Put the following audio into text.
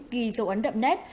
ghi dấu ấn đậm nét